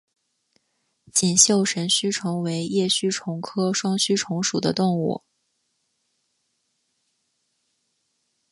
锦绣神须虫为叶须虫科双须虫属的动物。